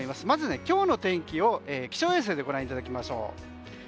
まず、今日の天気を気象衛星でご覧いただきましょう。